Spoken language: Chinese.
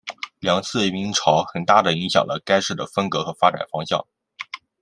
两次移民潮很大的影响了该市的风格和发展方向。